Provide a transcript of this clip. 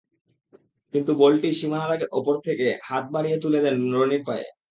কিন্তু বলটি সীমানাদাগের ওপর থেকে হাত বাড়িয়ে তুলে দেন রনির পায়ে।